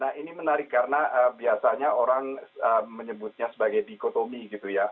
nah ini menarik karena biasanya orang menyebutnya sebagai dikotomi gitu ya